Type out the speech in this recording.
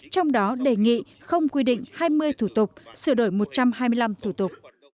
trong đó đề nghị không quy định hai mươi thủ tục sửa đổi một trăm hai mươi năm thủ tục